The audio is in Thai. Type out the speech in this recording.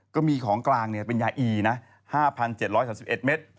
ก็มีของกลางเป็นยาอีนะ๕๗๓๑เมตร